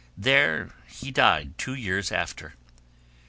There he died, two years after.